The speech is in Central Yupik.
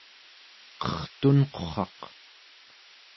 qertunqurraq